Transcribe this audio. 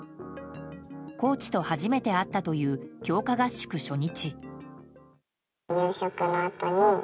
コーチと初めて会ったという強化合宿初日。